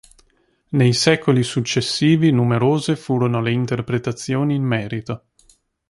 Nei secoli successivi numerose furono le interpretazioni in merito.